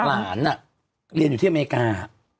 หลานเรียนอยู่ที่อเมริกา